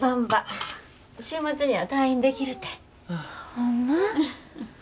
ホンマ？